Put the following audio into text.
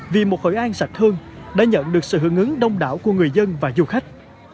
vì một hội an sạch hơn đã nhận được sự hưởng ứng đông đảo của người dân và du khách